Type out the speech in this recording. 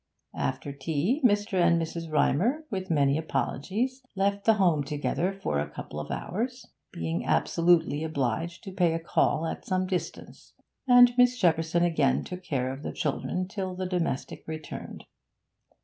After tea, Mr. and Mrs. Rymer, with many apologies, left the home together for a couple of hours, being absolutely obliged to pay a call at some distance, and Miss Shepperson again took care of the children till the domestic returned.